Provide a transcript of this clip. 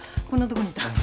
こんなとこにいた。